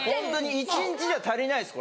一日じゃ足りないです。